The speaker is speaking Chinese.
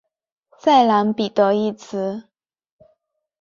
在蓝彼得一词。